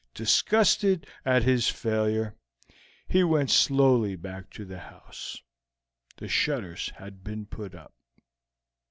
Disgusted at his failure, he went slowly back to the house. The shutters had been put up.